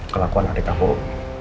kelakuan adik aku